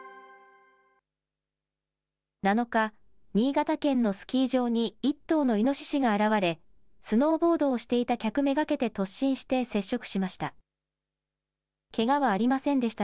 ７日、新潟県のスキー場に１頭のイノシシが現れ、スノーボードをしていた客目がけて突進して接触しました。